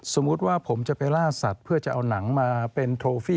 สมมุติว่าผมจะไปล่าสัตว์เพื่อจะเอาหนังมาเป็นโทฟี่